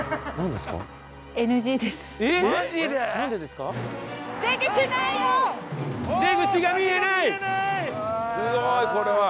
すごいこれは。